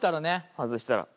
外したら。